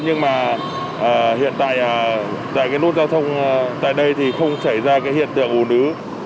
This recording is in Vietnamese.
nhưng mà hiện tại cái nút giao thông tại đây thì không xảy ra cái hiện tượng ủ nữ